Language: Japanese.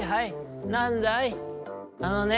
あのね